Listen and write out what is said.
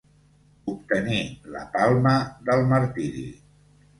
Obtenir la palma del martiri.